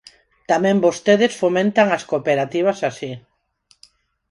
Tamén vostedes fomentan as cooperativas así.